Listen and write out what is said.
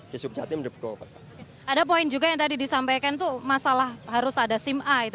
disubjati mendingku ada poin juga yang tadi disampaikan tuh masalah harus ada sima itu